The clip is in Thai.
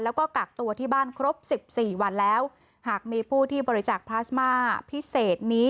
แล้วก็กักตัวที่บ้านครบสิบสี่วันแล้วหากมีผู้ที่บริจาคพลาสมาพิเศษนี้